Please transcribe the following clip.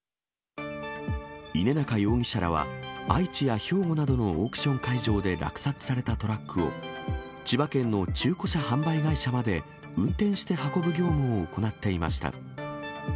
稲中容疑者らは、愛知や兵庫などのオークション会場で落札されたトラックを、千葉県の中古車販売会社まで運転して運ぶ業務を行っていました。